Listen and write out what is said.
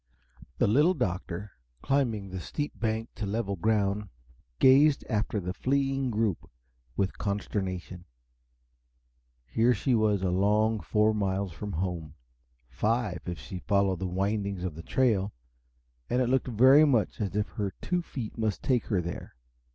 The Little Doctor, climbing the steep bank to level ground, gazed after the fleeing group with consternation. Here was she a long four miles from home five, if she followed the windings of the trail and it looked very much as if her two feet must take her there.